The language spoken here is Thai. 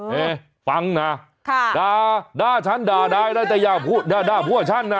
เนี่ยฟังนะด่าฉันด่าได้แต่อย่าด่าพวกฉันนะ